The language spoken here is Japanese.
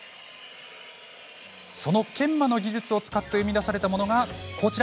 その研磨の技術を使って生み出されたものがこちら。